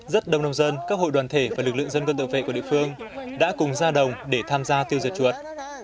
rất đông nông dân các hội đoàn thể và lực lượng dân quân tự vệ của địa phương đã cùng ra đồng để tham gia tiêu diệt chuột